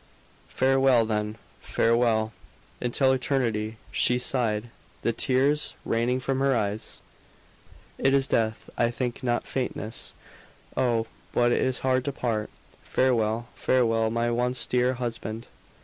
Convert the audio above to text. "Farewell, then; farewell, until eternity," she sighed, the tears raining from her eyes. "It is death, I think, not faintness. Oh! but it is hard to part! Farewell, farewell my once dear husband!"